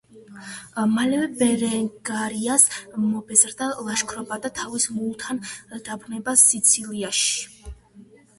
მალევე ბერენგარიას მობეზრდა ლაშქრობა და თავის მულთან დაბრუნდა სიცილიაში.